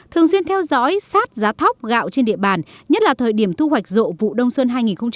thường xuyên theo dõi sát giá thóc gạo trên địa bàn nhất là thời điểm thu hoạch rộ vụ đông xuân hai nghìn một mươi chín hai nghìn hai mươi